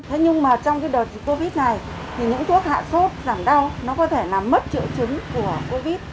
thế nhưng mà trong đợt covid này thì những thuốc hạ sốt giảm đau nó có thể làm mất triệu chứng của covid